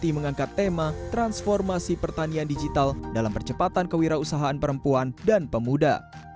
ini mengangkat tema transformasi pertanian digital dalam percepatan kewirausahaan perempuan dan pemuda